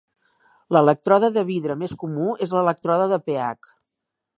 L'elèctrode de vidre més comú és l'elèctrode de pH.